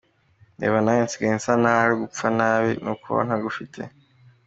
Reba nawe nsigaye nsa nawe, gupfa nabi ni ukubaho ntagufite.